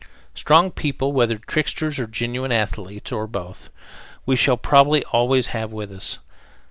Strong people, whether tricksters or genuine athletes, or both, we shall probably have always with us.